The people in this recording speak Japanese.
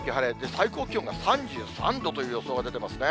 最高気温が３３度という予想が出てますね。